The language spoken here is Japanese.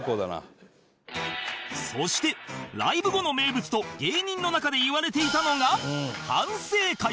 そしてライブ後の名物と芸人の中で言われていたのが反省会